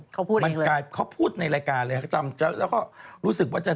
จ่ายมาช้าอะไรก็รอพี่โอ้นา